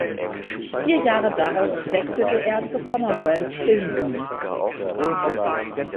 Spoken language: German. Vier Jahre darauf wechselte er zur Commonwealth Film Unit.